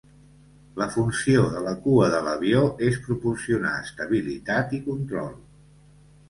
La funció de la cua de l'avió és proporcionar estabilitat i control.